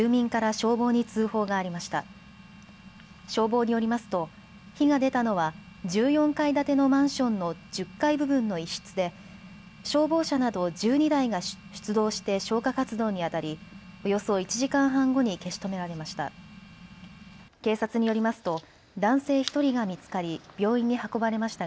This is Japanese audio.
消防によりますと火が出たのは１４階建てのマンションの１０階部分の一室で消防車など１２台が出動して消火活動にあたり、およそ１時間半後に消し止められました。